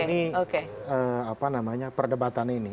ini apa namanya perdebatan ini